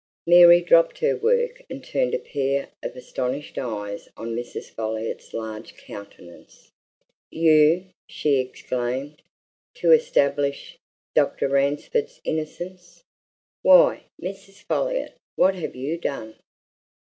Mary dropped her work and turned a pair of astonished eyes on Mrs. Folliot's large countenance. "You!" she exclaimed. "To establish Dr. Ransford's innocence? Why, Mrs. Folliot, what have you done?"